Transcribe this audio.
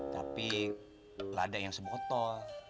tapi belada yang sebotol